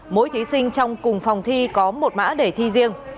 mỗi thí sinh trong cùng phòng thi có một mã để thi riêng